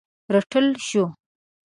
د رټل شوو